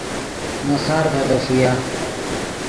نے خارڤے دے ݰویا